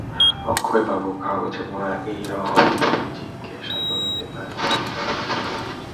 অক্ষয়বাবু, কাগজে-মোড়া এই রহস্যটি কী জিজ্ঞাসা করিতে পারি কি?